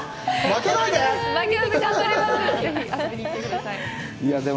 負けないで！